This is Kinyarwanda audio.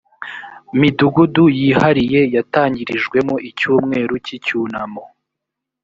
midugudu yihariye yatangirijwemo icyumweru cy icyunamo